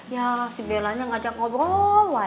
ya si bellanya ngajak ngobrol lah